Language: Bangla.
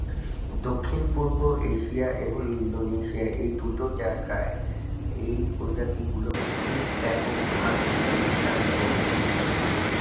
দক্ষিণপূর্ব এশিয়া এবং ইন্দোনেশিয়া এই দুটো জায়গায় এই প্রজাতিগুলো খুব ব্যাপক ভাবে বিস্তার করে।